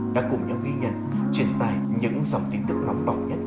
đã cùng nhau ghi nhận truyền tài những dòng tin tức nóng đỏ nhất